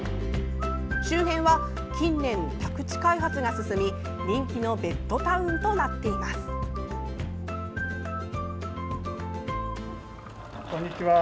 周辺は近年、宅地開発が進み人気のベッドタウンとなっています。